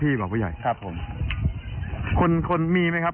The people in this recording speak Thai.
มีครับก็ยังมีอยู่ครับ